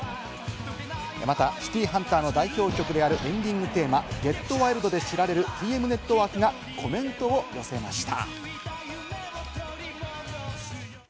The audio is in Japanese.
また『シティーハンター』の代表曲であるエンディングテーマ『ＧｅｔＷｉｌｄ』で知られるＴＭＮＥＴＷＯＲＫがコメントを寄せました。